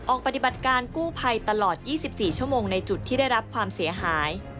ปฏิบัติการกู้ภัยตลอด๒๔ชั่วโมงในจุดที่ได้รับความเสียหาย